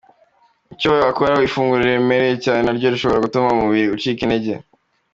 Icyakora ifunguro riremereye cyane naryo rishobora gutuma umubiri ucika intege.